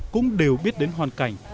cũng đều biết đến hoàn cảnh